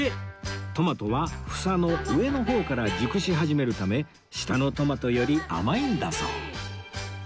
トマトは房の上の方から熟し始めるため下のトマトより甘いんだそう